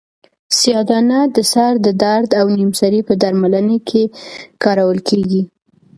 سیاه دانه د سر د درد او نیم سری په درملنه کې کارول کیږي.